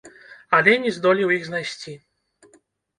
Але не здолеў іх знайсці.